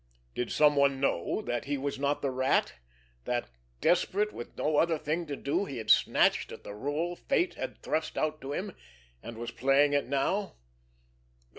Did someone know that he was not the Rat, that, desperate, with no other thing to do, he had snatched at the rôle fate had thrust out to him, and was playing it now?